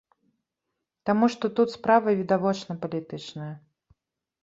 Таму што тут справа відавочна палітычная.